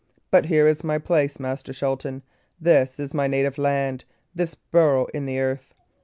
But here is my place, Master Shelton. This is my native land, this burrow in the earth!